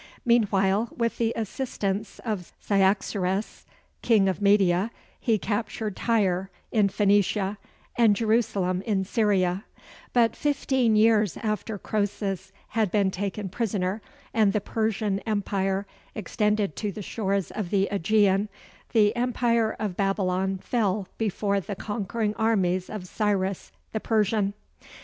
Meanwhile, with the assistance of Cyaxares, King of Media, he captured Tyre, in Phoenicia, and Jerusalem, in Syria; but fifteen years after Croesus had been taken prisoner and the Persian Empire extended to the shores of the Ægean, the Empire of Babylon fell before the conquering armies of Cyrus, the Persian.